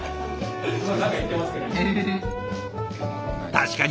確かに！